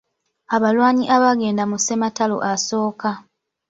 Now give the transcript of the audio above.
Abalwanyi abaagenda mu ssematalo asooka.